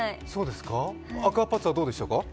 アクアパッツァはどうでしたか？